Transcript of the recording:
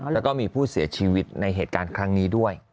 แล้วก็มีผู้เสียชีวิตในเหตุการณ์ครั้งนี้ด้วย